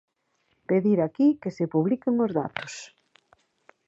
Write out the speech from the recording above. ¡Pedir aquí que se publiquen os datos!